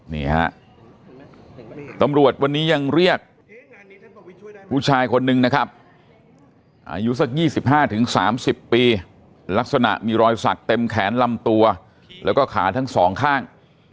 นี่ฮะตำรวจวันนี้ยังเรียกผู้ชายคนนึงนะครับอายุสัก๒๕๓๐ปีลักษณะมีรอยสักเต็มแขนลำตัวแล้วก็ขาทั้งสองข้าง